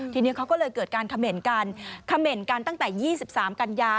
ทีนี้เขาก็เลยเกิดการเขม่นกันเขม่นกันตั้งแต่๒๓กันยา